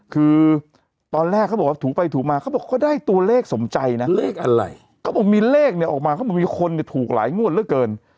ก็ได้ตัวเลขสมใจนะเลขอะไรก็มีเลขออกมามีคนทุกหลายมวลแล้วเกิน